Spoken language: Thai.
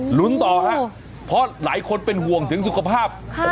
ลุ้นต่อครับเพราะหลายคนเป็นห่วงถึงสุขภาพ